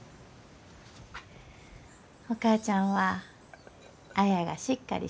お母ちゃんは綾がしっかりしゆうき